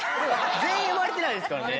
全員生まれてないですからね。